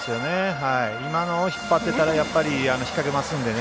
今のを引っ張ってたら引っ掛けますのでね。